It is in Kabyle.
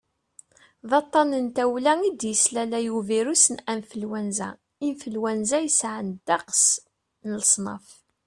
d aṭṭan n tawla i d-yeslalay ubirus n anflwanza influenza yesɛan ddeqs n leṣnaf